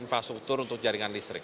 infrastruktur untuk jaringan listrik